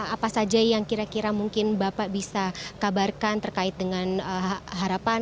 apa saja yang kira kira mungkin bapak bisa kabarkan terkait dengan harapan